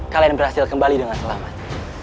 kalian berhasil kembali dengan selamat